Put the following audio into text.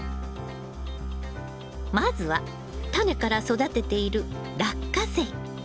まずはタネから育てているラッカセイ。